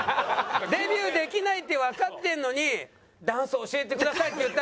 デビューできないってわかってるのにダンス教えてくださいって言った２人の気持ちわかる？